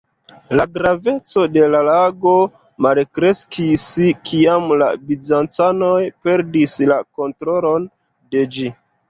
La graveco de la lago malkreskis, kiam la bizancanoj perdis la kontrolon de ĝi.